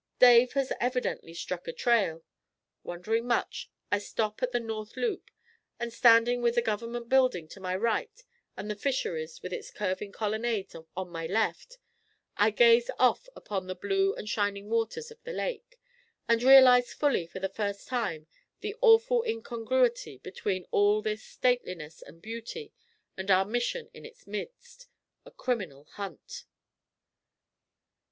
Dave has evidently 'struck a trail.' Wondering much, I stop at the north loop, and standing with the Government Building to my right and the Fisheries with its curving colonnades on my left, I gaze off upon the blue and shining waters of the lake, and realize fully for the first time the awful incongruity between all this stateliness and beauty and our mission in its midst a criminal hunt!